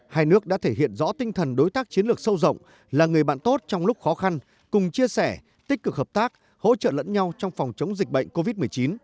hai nước đã thể hiện rõ tinh thần đối tác chiến lược sâu rộng là người bạn tốt trong lúc khó khăn cùng chia sẻ tích cực hợp tác hỗ trợ lẫn nhau trong phòng chống dịch bệnh covid một mươi chín